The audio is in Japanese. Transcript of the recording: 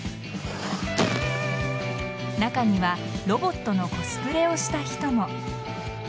中にはロボットのコスプレをした人も。